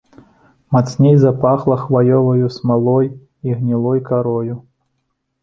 Мацней запахла хваёваю смалой і гнілой карою.